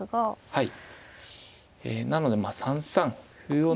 はい。